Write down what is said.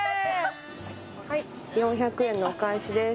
はい４００円のお返しです。